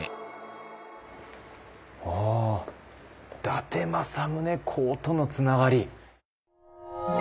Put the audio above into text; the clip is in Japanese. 伊達政宗公とのつながり。